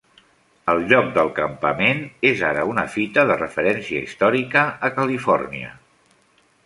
El lloc del campament és ara una fita de referència històrica a California.